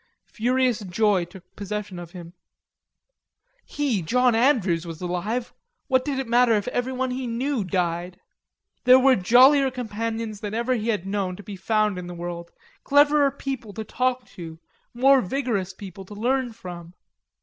Furious joy took possession of him. He, John Andrews, was alive; what did it matter if everyone he knew died? There were jollier companions than ever he had known, to be found in the world, cleverer people to talk to, more vigorous people to learn from.